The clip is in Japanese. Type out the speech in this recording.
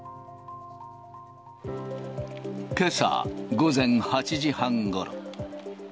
けさ午前８時半ごろ。